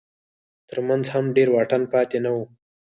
تر منځ هم ډېر واټن پاتې نه و.